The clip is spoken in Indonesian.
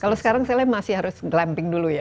kalau sekarang saya masih harus glamping dulu ya